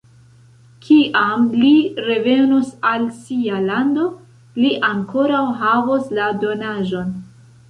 Kiam li revenos al sia lando, li ankoraŭ havos la donaĵon.